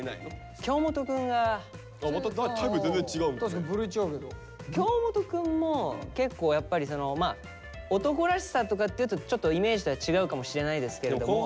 京本くんも結構やっぱりまあ男らしさとかっていうとちょっとイメージとは違うかもしれないですけれども。